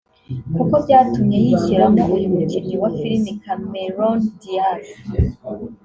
kuko byatumye yishyiramo uyu mukinnyi wa Filimi Cameron Diaz